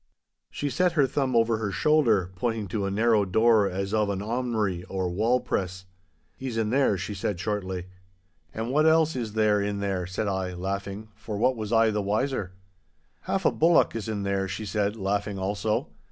She set her thumb over her shoulder, pointing to a narrow door as of an aumrie or wall press. 'He is in there,' she said shortly. 'And what else is there in there?' said I, laughing, for what was I the wiser? 'Half a bullock is in there,' she said, laughing also.